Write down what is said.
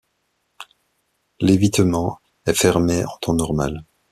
L'évitement est fermé en temps normal.